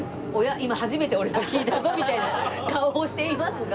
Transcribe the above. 今初めて俺は聞いたぞみたいな顔をしていますが。